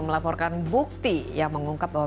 melaporkan bukti yang mengungkap bahwa